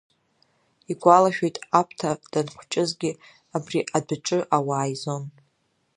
Игәалашәоит, Аԥҭа, данхәҷызгьы абри адәаҿы ауаа еизон.